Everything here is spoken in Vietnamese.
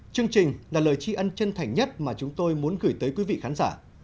chương trình là lời tri ân chân thành nhất mà chúng tôi muốn gửi tới quý vị khán giả